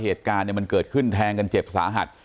เหตุการณ์มันเกิดขึ้นแทงกันเจ็บสาหัส